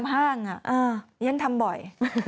ฉันทำบ่อย